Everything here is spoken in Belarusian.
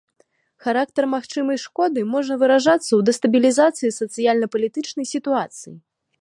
Характар магчымай шкоды можа выражацца ў дэстабілізацыі сацыяльна-палітычнай сітуацыі.